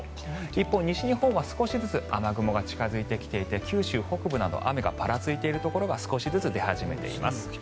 一方、西日本は少しずつ雨雲が近付いてきていて九州北部など雨がぱらついているところが少しずつ出始めています。